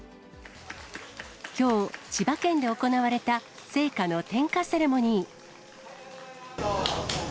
きょう、千葉県で行われた聖火の点火セレモニー。